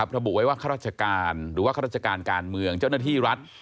ระบุไว้ว่าข้าราชการหรือว่าข้าราชการการเมืองเจ้าหน้าที่รัฐ